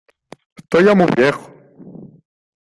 Estoy ya muy viejo.